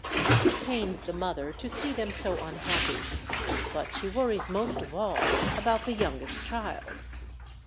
It pains the mother to see them so un happy, but she worries most of all about the youngest child.